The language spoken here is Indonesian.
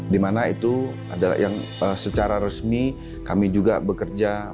dimana itu secara resmi kami juga bekerja